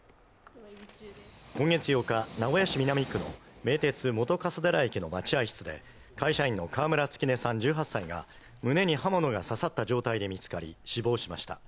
今月８日、名古屋市南区の名鉄本笠寺駅の待合室で会社員の川村月音さん１８歳が胸に刃物が刺さった状態で見つかり、死亡しました。